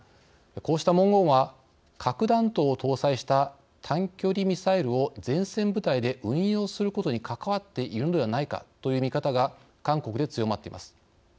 こうした文言は核弾頭を搭載した短距離ミサイルを前線部隊で運用することに関わっているのではないかという見方が韓国で強まっています。